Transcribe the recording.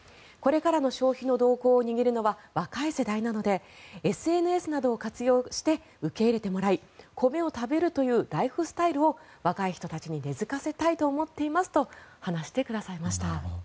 これからの消費の動向を握るのは若い世代なのでＳＮＳなどを活用して受け入れてもらい米を食べるというライフスタイルを若い人たちに根付かせたいと思っていますと話してくださいました。